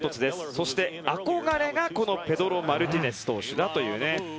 そして憧れがペドロ・マルティネス投手だという。